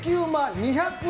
２００円